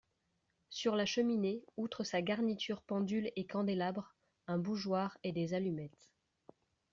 Sur la cheminée, outre sa garniture pendule et candélabres , un bougeoir et des allumettes.